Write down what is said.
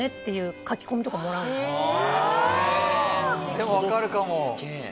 でも分かるかも。